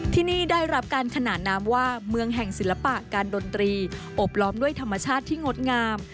ที่นี่ได้รับการขนานนามว่าเมืองแห่งศิลปะการดนตรีอบล้อมด้วยธรรมชาติที่งดงาม